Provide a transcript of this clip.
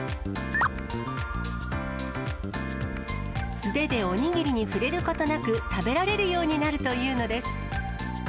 素手でおにぎりに触れることなく食べられるようになるというのです。